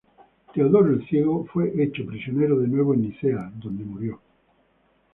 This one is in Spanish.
Teodoro el Ciego fue hecho prisionero de nuevo en Nicea, donde murió.